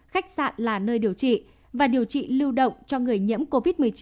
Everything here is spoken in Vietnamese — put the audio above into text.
khách sạn là nơi điều trị và điều trị lưu động cho người nhiễm covid một mươi chín